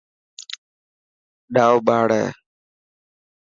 ڏائو ٻاڙ هي.